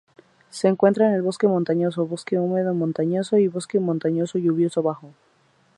Se encuentra en el bosque montañoso, bosque húmedo montañoso y bosque montañoso lluvioso bajo.